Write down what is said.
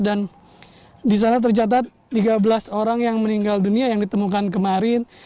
dan di sana tercatat tiga belas orang yang meninggal dunia yang ditemukan kemarin